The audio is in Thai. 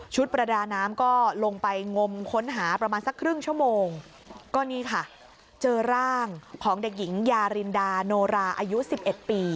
ประดาน้ำก็ลงไปงมค้นหาประมาณสักครึ่งชั่วโมงก็นี่ค่ะเจอร่างของเด็กหญิงยารินดาโนราอายุสิบเอ็ดปี